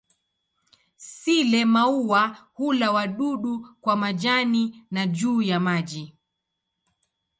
Sile-maua hula wadudu kwa majani na juu ya maji.